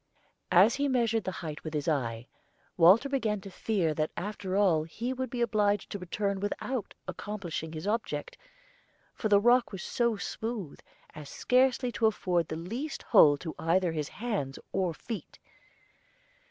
As he measured the height with his eye, Walter began to fear that after all he would be obliged to return without accomplishing his object, for the rock was so smooth as scarcely to afford the least hold to either his hands or feet.